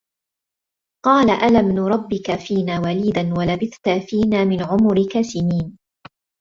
قالَ أَلَم نُرَبِّكَ فينا وَليدًا وَلَبِثتَ فينا مِن عُمُرِكَ سِنينَ